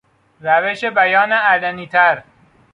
روش بیان علنیتر